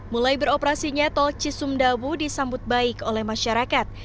mulai beroperasinya tol cisumdawu disambut baik oleh masyarakat